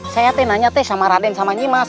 saya nanya sama raden dan nimas